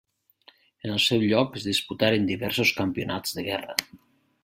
En el seu lloc es disputaren diversos campionats de guerra.